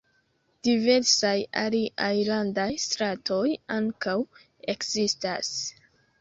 Diversaj aliaj landaj stratoj ankaŭ ekzistas.